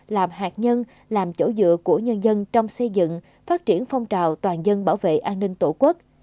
làm hạt nhân làm chỗ dựa của nhân dân trong xây dựng phát triển phong trào toàn dân bảo vệ an ninh tổ quốc